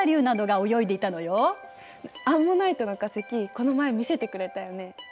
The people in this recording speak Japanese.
アンモナイトの化石この前見せてくれたよね。